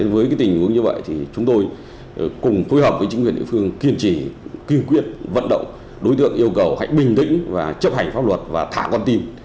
với tình huống như vậy thì chúng tôi cùng phối hợp với chính quyền địa phương kiên trì kiên quyết vận động đối tượng yêu cầu hãy bình tĩnh và chấp hành pháp luật và thả con tin